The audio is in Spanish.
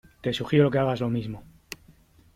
te sugiero que hagas lo mismo .